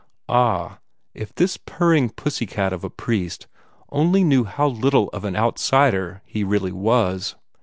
Ah, if this purring pussy cat of a priest only knew how little of an outsider he really was!